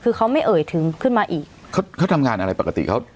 คือเขาไม่เอ่ยถึงขึ้นมาอีกเขาเขาทำงานอะไรปกติเขา